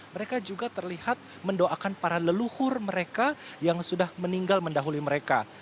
mereka juga terlihat mendoakan para leluhur mereka yang sudah meninggal mendahuli mereka